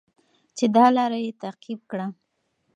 چې دا لاره یې تعقیب کړه.